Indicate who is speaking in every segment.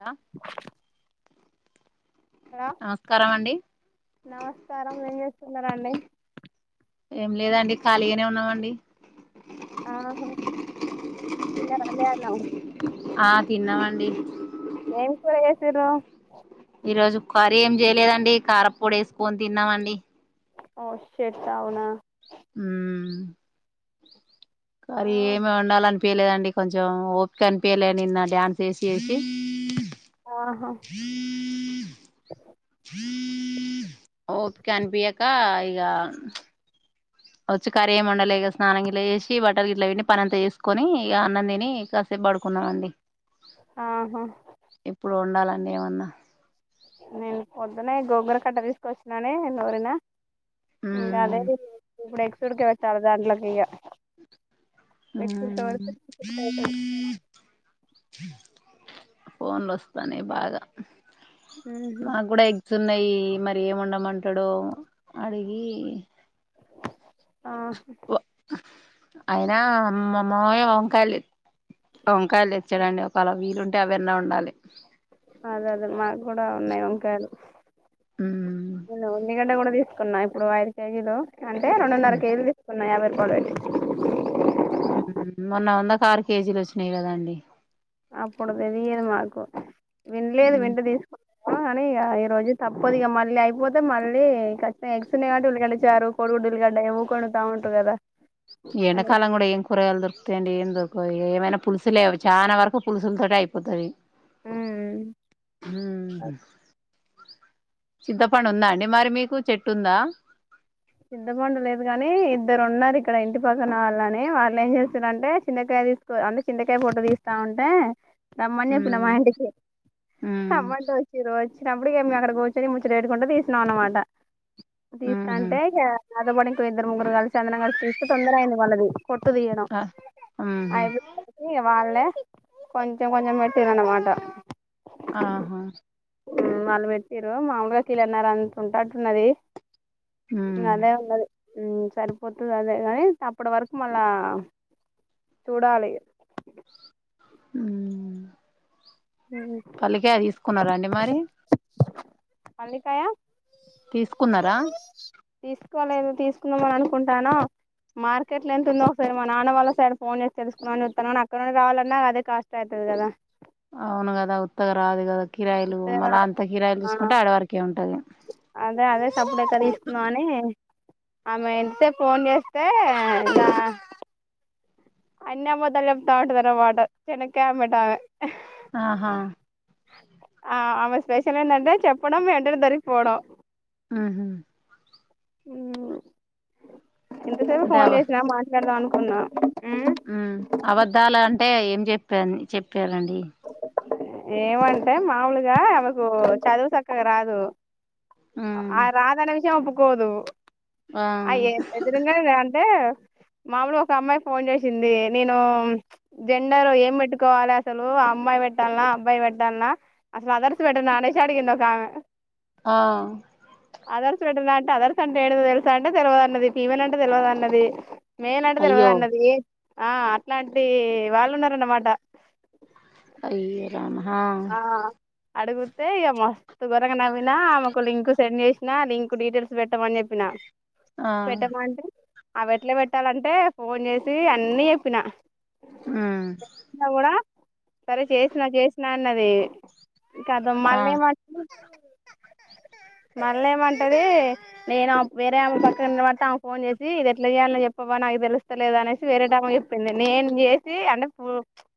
Speaker 1: అ
Speaker 2: hello నమస్కారం ఏం చేస్తున్నారండి
Speaker 1: ఏం లేదండి ఖాళీగానే ఉన్నామండి
Speaker 2: ఆహా తిన్నారానే అన్నం
Speaker 1: ఆ తిన్నామండి
Speaker 2: ఏం కూర చేసిర్రు
Speaker 1: ఈ రోజు కర్రీ ఏం చేయలేదండి కార్పొడి వేసుకొని తిన్నామండి
Speaker 2: ఓ షెట్ అవున
Speaker 1: హ్మ్మ్ కర్రీ ఏమి ఉండాలని పియలేదండి కొంచెం ఓపిక అనిపయలే నిన్న డ్యాన్స్ ఎసి ఎసి
Speaker 2: ఆహా
Speaker 1: ఓపిక అనిపియకా ఇగ వచ్చి కర్రీ ఎమ్ వండలే ఇగ స్నానం గిట్ల చేేసి బట్టలు గిట్ల పిండి పనాంత చేసుకొని ఇగా అన్నం తిని కాసేపు పడుకున్నాం అండి.
Speaker 2: ఆహా
Speaker 1: ఇప్పుడు వండాలండి ఏమన్నా
Speaker 2: నేను పొద్దున ఈ గోంగుర కట్ట తీసుకొచ్చినని నూరిన ఇంగ
Speaker 1: ఉమ్
Speaker 2: అదే తి ఇప్పుడు ఎస్సుడికె పెట్టాలా దాట్లక్ ఇగ ఎక్
Speaker 1: ఉమ్
Speaker 2: [unintelligible]
Speaker 1: ఫోన్లు వస్తానాయ్ బాగా
Speaker 2: ఉహు
Speaker 1: మా కూడా ఎ తున్నయి మరి ఏం వండమంటాడో అడిగి
Speaker 2: ఆ
Speaker 1: అయినా మ మవయ్య వంకాయల్ వంకాయలు తెచ్చాడండి ఒకలా విలుం అవన్న ఉండాలి
Speaker 2: అదే అదే మాకు కూడా ఉన్నాయి వంకాయలు
Speaker 1: మ్మ్.
Speaker 2: నిన్న ఒ [unintelligible] గంట తిస్ కొన్నా ఇప్పుడు ఐదు కేజీలు అంటే రెండున్నర
Speaker 1: మ్మ్.
Speaker 2: కేజలు తీసుకున్నాయి యాబై కొనండి
Speaker 1: మొన్న వందకు ఆరు కేజీలు వచ్చినాయి కదండి
Speaker 2: అప్పుడు తెలియదు మాకు వినలేదు
Speaker 1: మ్మ్.
Speaker 2: వింట తీసుకో అనీ ఇగ ఈ రోజు తప్పదు ఇగ మళ్ళీ అయిపోతే మళ్ళీ ఖచ్చి [inaudible] ఎగ్స్ ఉన్నాయ్ కాబట్టి ఉల్లిగడ్డచారు, కొడి గుడ్డు ఉల్లిగడ్డ ఊకె వండుతా ఉంటారు కదా
Speaker 1: ఈ
Speaker 2: అని
Speaker 1: ఎండాకాలం కూడా ఏం కూరగయలు దొరుకుతాయండి ఏం ఏమైనా పులుసు లే చానా వరకు పులుసులతోటె అయిపోతది హ్మ్ హు సిద్ధపండు ఉందా అండి మరి మీకు చెట్టుందా
Speaker 2: చిత్తపండులేదు కాని ఇద్దరు ఉన్నారు ఇక్కడ ఇంటి పక్కన వాళ్ళని వాళ్ళు ఏం చేస్తారంటే చింతకాయ తీసుకో అంటే చింతకాయ పూట్ట తీస్తామంటే రమ్మని చెప్పిన
Speaker 1: మ్మ్.
Speaker 2: మాఇంటికి
Speaker 1: మ్మ్.
Speaker 2: రమ్మంటే వచ్చిళ్ళు వచ్చినప్పుడుక మేము అక్కడ కూర్చని ముచ్చడి వేటుకుంటూ తీసినాం అనమాట దిస్త
Speaker 1: మ్మ్హ్మ్.
Speaker 2: బేగా రాధపడి ఇద్దరు ముగగురు కలిసిందం కలిసి చస్తూ తొందర అయింది వాళ్ళది పొట్టుదియటం
Speaker 1: ఆ, మ్మ్హ్మ్.
Speaker 2: వాళ్ళ కొంచెం కొంచమ పెట్టిరన్నమాట
Speaker 1: ఆహా
Speaker 2: మీరు మామలుగా కీలన్నార అంత ఉంటాటున్నది
Speaker 1: మ్మ్.
Speaker 2: అదే ఉండది సరిపోతుంది అదే కాని అప్పటి వరకు మళ్ళా చూడాలి
Speaker 1: అ పల్లికాయ తీసుకున్నారా అండి మరి
Speaker 2: పలికాయ
Speaker 1: తీసుకున్నారా
Speaker 2: తీసుకోాలలేదు తీసుకుందామ అని అనుకుంటానో మార్కెట్లో ఎంతుందో ఒకసారి మా నాన్న వాళ్ళ సైడ్ ఫోన్ చేసి తెలుసుకున్నామని చెాన్నాని అక్కడ నుండి రావాలన్నా అదే కాస్ట్ అవుతది కదా
Speaker 1: అవును గదా అదా ఉత్తగ రాదు కదా కిరాయిలు
Speaker 2: ఉత్తరా
Speaker 1: మళ్ళ అంత కిరాయిలు
Speaker 2: ఆ
Speaker 1: చూసుకుంటే ఆడవరకే ఉంటది
Speaker 2: అదే అదే సప్పుడేక తీసుకుందాం అని ఆమె ఎంతతేే ఫోన్ చేస్తే ఈగ అన్ని అబద్ధం చెప్తా ఉంటాదట మాట చినక్కాయ అమ్బటామె
Speaker 1: ఆహా
Speaker 2: ఆ ఆమె స్పెషల్ ఏంటంటే చెప్పడం వెంటనే దొరికిపోవడం
Speaker 1: ఆహా
Speaker 2: మ్మ్ ఇంతసేపు ఫోన్ చేసిన మాట్లాడదాం అవునా
Speaker 1: ఉ అవద్దాల అంటే ఏం చెప్పా చెప్పారండి
Speaker 2: ఏమంటే మామూలుగా ఆమెకు చదువు చక్కగా రాదు
Speaker 1: ఉమ్
Speaker 2: ఆ రాధనే విషయం పోోదు
Speaker 1: ఆ
Speaker 2: అ ఎదురుంగద అంటే మాముూలు ఒక అమ్మాయి ఫోన్ చేసింది నేను జెండర్ ఏం పెట్టుకోవాలి అసలు ఆ అమ్మాయి పెట్టాల అబ్బాయి పెట్టాల అసలు అదర్స్ పెట్టనేష అడిగింది ఒక ఆమె
Speaker 1: ఆ
Speaker 2: అదర్శ పె అంటే అదర్శ అంటే ఎడ్ ఏతెలుసా అంటే తెలియదున్నది ఫీమన్ అంటే తెలవదు అన్నది మే నడు తెల్వద్
Speaker 1: అయ్యో
Speaker 2: అన్నది ఆ అట్లాంటి వాలు ఉన్నారనమాటా
Speaker 1: అయ్య రామా హా
Speaker 2: అడుగుతే ఇక మస్తుత్ గోరంగ నవీనా ఆమెకు లింక్ సెండ్ చేసినా లింకు డీటెయిల్స్ పెట్టామని చెప్పినా
Speaker 1: ఆ
Speaker 2: పెట్టమంటే అవి ఎట్లా పెట్టాలంటే ఫోన్ చేసి అన్నీ చెప్పినా
Speaker 1: ఉమ్
Speaker 2: సరే చేసినా చెస్ నాన్నది ఇకాద
Speaker 1: ఆ
Speaker 2: మళ్ళీ మళ్ళీ మళ్ళ ఏమంటది నేను వేరే అమ్మ పక్కన తర్వాత ఆమెకు ఫోన్ చేసి ఇది ఎట్లా చేయాలి చెప్పవా నాకు తెలుస్తలేద అనేసి వేరే టైం చెప్పింది నేను చేసి అంటే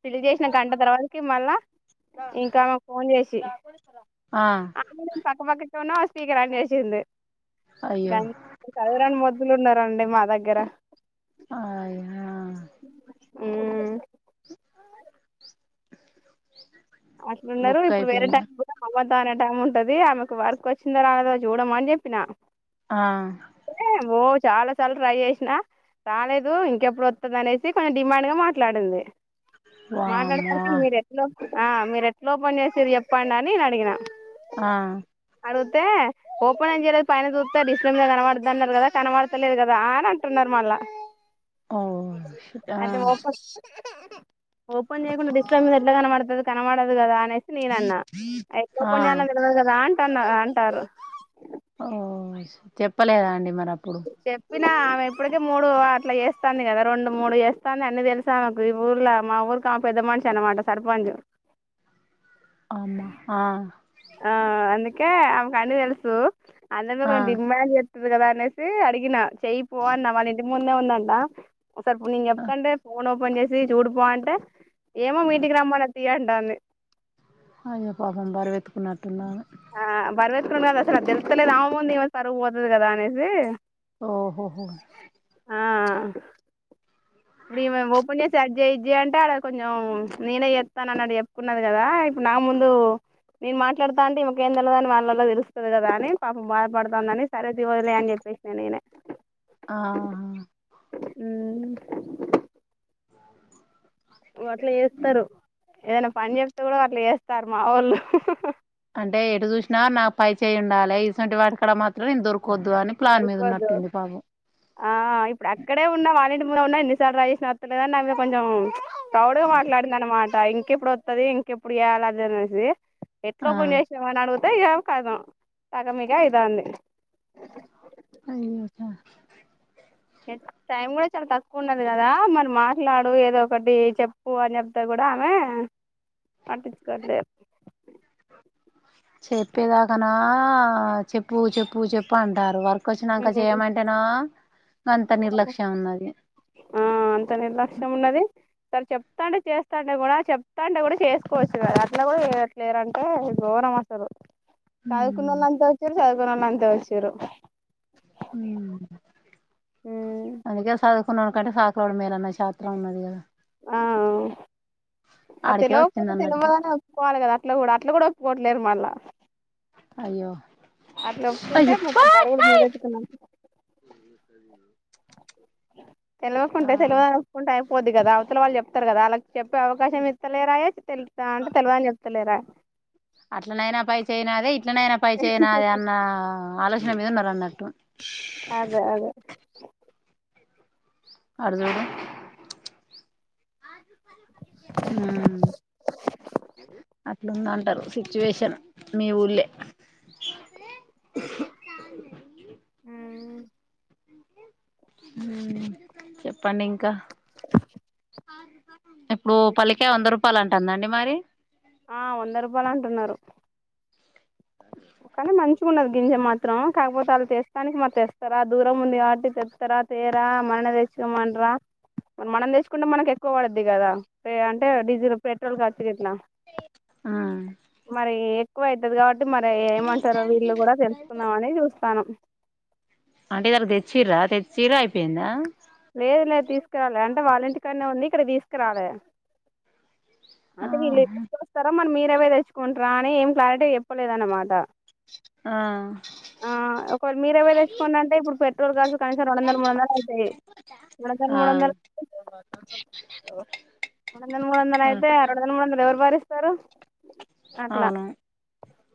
Speaker 2: ఫిల్ చేసినా గంట తర్వాతకి మళ్ళా. ఇంకా మాకు ఫోన్ చేసి ఆ మేడం పక్కపక్క ఎవర్నో స్పీకర్ ఆన్ చేసింది గా
Speaker 1: అయ్యో
Speaker 2: చదువు రాని మొద్దులు ఉన్నారండి. మా దగ్గర
Speaker 1: అయినా
Speaker 2: ఉమ్ అట్లునారు
Speaker 1: బుక్
Speaker 2: ఇప్పుడు వేరే
Speaker 1: అయిపోయిందా
Speaker 2: దానికి కూడా మళ్ళా అనే టైం ఉంటది ఆమెకు వర్క్ వచ్చిందొరలేదో చూడమని చెప్పినా
Speaker 1: ఆ
Speaker 2: చాలా సార్లు ట్రై చేసినా రాలేదు ఇంకెప్పుడు వత్తది అనేసి కొంచెం డిమాండ్ గా మాట్లాడింది
Speaker 1: వామ్మో
Speaker 2: మాట్లాడేసరికి మీర ఎట్లా ఆ మీరు ఎట్లా ఓపెన్ చేస్త ఇది చెప్పండాని నేను అడిగినా
Speaker 1: ఆ
Speaker 2: అడిగుతే ఓపెనెం చేయలేదు పైన చుతే డిస్ప్లేమీదా కనపడ్తాద్ అన్నారు కదా కనమాడతలేదు కదా అని అంటున్నారు మళ్ళా
Speaker 1: హోస్టా
Speaker 2: ఓపన్ చేయకుండా బుక్ ఎందుకు అట్లా కనపడతాది కనపడదు కదా అనే సి నేన అన్న ఎ
Speaker 1: ఆ
Speaker 2: [unintelligible] మిగలదు కదా టన్న అంటారు
Speaker 1: ఓ చేపలేదా అండి మ నప్పుడు
Speaker 2: చెప్పినా ఆమె ఇప్పటికే మూడు అట్లా చేస్తాంది కదా రెండు మూడు చేస్తాంది అన్నీ తెలుసామెకు ఈ ఊర్లో మా ఊరికి ఆమె పెద్ద మనిషి అన్నమాట సర్పంచ్
Speaker 1: ఆమ ఆ
Speaker 2: ఆ అందుకే ఆమెకు అన్నీ తెలుసు అందరం
Speaker 1: ఆ
Speaker 2: కొంచెం డిమాండ్ చె కద అనేసి అడిగిన చెయ్యిపో అన్న వాళ్ళ ఇంటి ముందే ఉందంట ఒక సారి ఇప్పుడు నేను
Speaker 1: ఆ,
Speaker 2: చెప్తాంటే ఫోన్ పని చేేసి చూడుపో అంటే ఏమో మీ ఇంటికి రమ్మని తీ అంటాంది
Speaker 1: అయ్యో పాపం బర్వేతుకున్నటుందామె
Speaker 2: ఆ బరువెత్తుకున్నదసలు అది తెలుత్తలేదు ఆమె ముందు ఈమె పరువు పోతది కదా అనేసి
Speaker 1: ఓహోహో
Speaker 2: ఆ ఇప్పుడు ఈమె ఓపెన్ చేసి అజ్జేయి ఇజేయి అంటే అడ కొంచెం నేనే చెస్తాన అని అడ చెప్పుకున్నది కదా. ఇప్పుడు నా ముందు నేను మాట్లాడుతా అంటే ఇమకేం తెలవదని వాళ్ళలో తెలుస్తది కదా అని పాపం బాధపడుతాందని, సరే తీ వదిలేయి అని చెప్పేసిన నేనే.
Speaker 1: ఆహా
Speaker 2: ఉ అట్లా చేస్తారు ఏదైనా పని చెప్తే కూడా అట్లా చేస్తారు కర్మ వాళ్ళు
Speaker 1: అంటే ఎటు చూసినా నా పై చేయి ఉండాలి ఇసువంటి వాటికాడ మాత్రం నేను దొరుకు
Speaker 2: దొరకదు ఆ ఇప్పుడు అక్కడే ఉన్న వాల్లింటి ఉన్నా ఎన్నిసార్లు ట్రై చేసిన ఎత్తలేదని నా మీద కొంచెం ప్రౌడ్గా మాట్లాడిందనమాట టైం కి ఎప్పుడు వత్తది ఇంకెప్పుడు చేయ్యాలది అనేసి ఎట్లు
Speaker 1: ఆ
Speaker 2: ప నషమా నాడు [unintelligible] ఇగ ఖతం కక మిక అయితాంది [unintelligible]
Speaker 1: అయో పాపం
Speaker 2: టైం కూడా చాలా తక్కువ ఉన్నది కదా మరి మాట్లాడు ఏదో ఒకటి చెప్పు అని చెప్తే కూడా ఆమె పట్టిచ్చుకొట్లేదు
Speaker 1: చెప్పేదాకనా చెప్పు చెప్పు చెప్పు అంటారు వర ఇకొచ్చినాంక చేయమంటేన అంత నిర్లక్ష్యం ఉన్నది
Speaker 2: సర చెప్తాంటే చేస్తాంటే కూడా చెప్తాంటే కూడా చేసుకోవచ్చు కదా అట్లా కూడా చేయట్లేరంటే ఘోరం అసలు [unintelligible]
Speaker 1: ఉమ్,
Speaker 2: చదువుకున్నోలు అంత వచ్చిర్రు
Speaker 1: అ అందుకే సదువు సదువుకున్నోడి కన్నా సదువుకోనోడు మేలన్న శాస్త్రం ఉన్నది కదా
Speaker 2: ఆ ఆ
Speaker 1: ఆడికే వచ్చింది
Speaker 2: తెలవకపోతే
Speaker 1: అన్నట్టు ఇప్పుడు
Speaker 2: తెలవదనే ఒప్పుకోవాలి కదా అట్ల కూడా అట్లా కూడా ఒప్పుకోవట్లేరు మళ్ళా
Speaker 1: అయ్యో
Speaker 2: అట్లా ఒప్పుకుంటే
Speaker 1: అయ్యో
Speaker 2: మొత్తం బరువులు మీదేతుకునట్టే [inaudible]
Speaker 1: ఆ
Speaker 2: తెలువకుంటే తెలువదు అని ఒప్పుకుంటే అయిఫ్ పొద్ది కదా అవతల వాళ్ళు చెప్తారు కదా అలా చెప్పే అవకాశం ఇస్తాలేరుయియె తెలుస్త అంటే తెలివా అని చెప్త ఇతలేరుయె
Speaker 1: అట్లనైనా పై చెయ్యినదే ఇ ఇట్లానైనా పై చెయ్యినదే అన్న ఆలో నా మీద ఉన్నారు అన్నట్టు
Speaker 2: అదే అదే
Speaker 1: అటుసుడు హు అట్లు ఉంది అంటారు సిచ్యువేషన్ మీ ఊళ్ళే
Speaker 2: హు
Speaker 1: హు చెప్పండి ఇంకా [inaudible] ఇప్పుడు పల్లికాయ వంద రూపాయలు అంటుందండి మరి
Speaker 2: ఆ వంద రూపాయలు అంటున్నారు
Speaker 1: [inaudible]
Speaker 2: కానీ మంచిగా ఉన్నది గింజ మాత్రం కాకపోతే వాళ్ళ తెస్తానికి మరి తెస్తారా దూరం ఉంది కాబట్టి తెత్తార తేరా మనల్ని తెచ్చుకోమంటరా మరి మనం తెచ్చుకుంటే మనకు ఎక్కువ పడ్డది కదా అంటే డీజిల్ పెట్రోల్ క ఇట్ల
Speaker 1: ఆ
Speaker 2: మరి ఏ ఎక్కువ అయితది కాబట్టి మరి రమ్మంటార వీళ్ళు కూడా తెలుసుకుందమని చూస్తానము
Speaker 1: అంటే ఇవాళ తెచ్చిర్ర తెచ్చిర్రు అయిపోయిందా
Speaker 2: లేదు లేదు తీసుకురాలే అంటే వాళ్ళ ఇంటికనే ఉంది ఇక్కడ కి తీసుకురాలే
Speaker 1: ఆ
Speaker 2: అదే [unintelligible] మరి మీరే పోయి తెచ్చుకుంటారా అని ఏం క్లారిటీగా చెప్పలేదు అన్నమాట
Speaker 1: ఆ
Speaker 2: ఆ ఒక మీరే పోయి తెచ్చుకోండి అంటే ఇప్పుడు పె [inaudible] కనీసం రెండువందలు మూడువందలు అత్తయ్ రెండువందలు
Speaker 1: ఆ
Speaker 2: మూడువందలు రెండువందలు మూడు వందలు అయితే రెండువందలు మూడు వందలు ఎవరు భరిస్తారు అట్లా
Speaker 1: అవును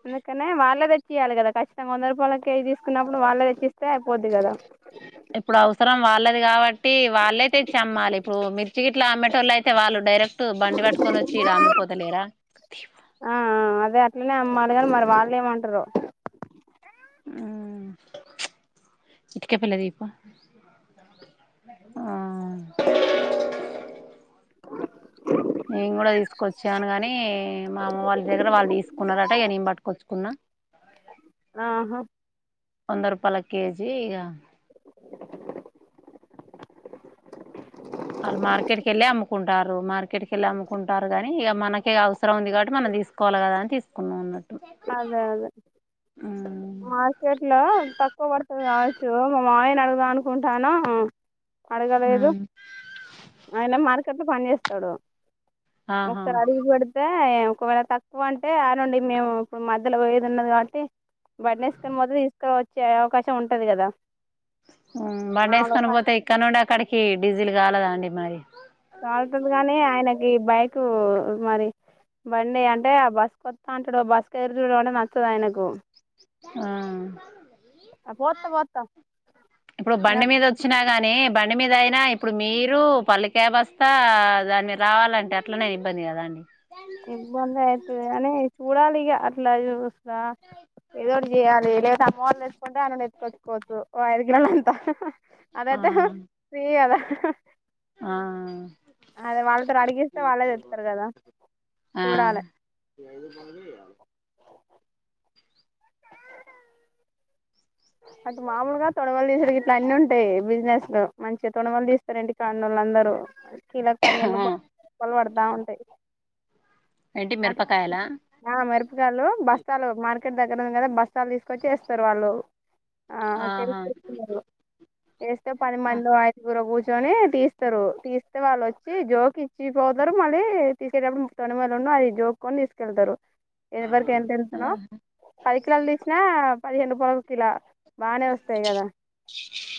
Speaker 2: అందుకనే వా వాళ్ళ తెచ్చియాలి కదా ఖచ్చితంగా వంద రూపాయల కేజీ తీసుకున్నపుడు వాళ్ళ తెచ్చిస్తే అయి
Speaker 1: ఇప్పుడు అవసరం వాళ్ళే వాళ్ళది కాబట్టి వాళ్ళే తెచ్చి అమ్మాలి ఇప్పుడు మిర్చి గిట్ల అమ్మెటెల్లయితే వాళ్ళు డైరెక్ట్ టు బండి వట్టుకొని వచ్చి ఇడ అమ్మిపోతలేరా
Speaker 2: లోనే అమ్మలి అని మరి వాళ్ళు ఏమంటారో
Speaker 1: ఊ ఇటిక పేల్లే దీప్ పో నేను కూడా తీసుకొచ్చాను అని మా అమ్మ వాళ్ళ దగ్గర వాళ్ళు తీసుకున్నారట ఇగ నేన్ బట్టుకొచ్చుకున్నా
Speaker 2: ఆహా
Speaker 1: వంద రూపలాక్ కేజీ ఈగ
Speaker 2: [inaudible]
Speaker 1: వాళ్ళు మార్కెట్కి వెళ్ళి అమ్ముకుంటారు ఇగ అవసం ఉంది కాబట్టి మనం తీసుకోవాల్ కదాన్ తీసుకున్ ఉన్నట్
Speaker 2: అదే అదే మార్కెట్ లో తక్కువ పడతి కావోచ్ మా యన్ అడుగద్ అనుకుంటన అ అడగలేదు
Speaker 1: ఉమ్
Speaker 2: ఆయన మార్కేట్లో పన్ చేస్ తడు ఒక్
Speaker 1: ఆహా
Speaker 2: సర్ అడిగి పడీతే ఇ్య్ ఒకవేళ తక్కువ అంటే అ రండి [unintelligible] మేము ఇప్పుడు మధ్యలో పోయేది ఉన్నది కాబట్టి బండి యేసుకొన్ పోతది [unintelligible] తీసుకు వచ్చే అవకాశం ఉంటది కదా
Speaker 1: ఉమ్ బండి
Speaker 2: మాములు
Speaker 1: ఏసుకొని పోతే ఇక్కడ నుండి అక్కడికి డీజిల్ కాలదా అండి మై ఫ్
Speaker 2: కాల్ తది గానీ ఆయనకి బైకు మరి బండి అంటే ఆ బస్ కొత్ తంటాడు బస్ క్ ఎదురుడమ్ అంటే నచ్చద్ ఆయనకు
Speaker 1: ఆ
Speaker 2: పోత్తా పోత్తా
Speaker 1: ఇప్పుడు బండి మీద వచ్చినా గానీ బండి మీద అయినా ఇప్పుడు మీరు పల్లీకాయ బస్తా దాని మీద రావాలంటే అట్ల నే ఇబ్బంది కదా అండి
Speaker 2: ఇబ్బంది అయితది గాని చూడాలిగ అట్లా చుస్ రా ఏదో ఒకటి చేయ్యాలి లే [unintelligible] మోర్ ఎసుకుంట అన్నాం ఎత్ కొత్ కోవచ్చు ఓ ఐదుగిన్నలంతా ఆహ్ ఆహ్
Speaker 1: ఆ
Speaker 2: అదైతే హా ఫ్రీ కదా
Speaker 1: ఆ
Speaker 2: ఆహ్ ఆహ్ అద్ వాళ్ళతో అడిగిస్తే వాళ్ళే చెప్ తరు కదా
Speaker 1: ఆ
Speaker 2: చూడాలి అటు మామూలుగా తొడవలు తీశుడు ఇట్లా అన్ని ఉంటాయి బిజినెస్ లో మంచిగా తొనమల్ తీస్తారు ఇంటి కానోలందరు కిలక్ పదిహేను రూపల్ రూపాయలు [unintelligible] పడతా ఉంటాయి
Speaker 1: ఏంటి
Speaker 2: అట్ల్
Speaker 1: మిరపకాయలా
Speaker 2: ఆ మీరప్ కాయిలు బస్తాలో మార్ [unintelligible] ఇక్కడ దగ్గర దగ్గర బస్తాలు తీసుకొచ్చేస్తారు వాళ్ళు ఆ తెలు
Speaker 1: ఆహా
Speaker 2: తెన్నారు [unintelligible] ఏస్తే
Speaker 1: ఆ
Speaker 2: పదిమందో ఐదుగురో కూష్ కూర్చొని తీస్తారు తీస్తే వాళ్ళు వచ్చి జోకిచ్చి ఇచ్చిపోతారు మళ్ళీ తీసుకెల్ టప్పుడు తొన్ మల్ రెండ్ ఎవరికి ఎంత ఎంత నో పది కిలోలు తీశిన పదిహేన్ రూపాల్ కిల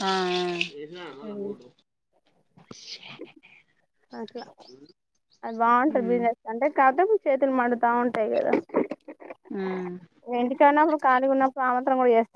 Speaker 1: ఆ ఆ మ మ [unintelligible]
Speaker 2: అది బాగుంటంది బిజినెస్ అంటే కాతే చేతులు మండుత ఉంటాయి కదా
Speaker 1: ఆ
Speaker 2: ఎంటికన్నప్పుడు ఖాళీగా ఉన్నప్పుడు ఆమె [unintelligible]